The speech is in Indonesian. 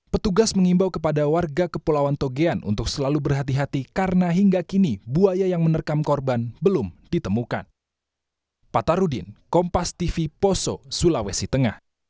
petugas mengimbau kepada warga kepulauan togean untuk selalu berhati hati karena hingga kini buaya yang menerkam korban belum ditemukan